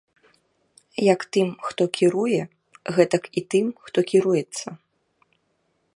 Як тым, хто кіруе, гэтак і тым, хто кіруецца.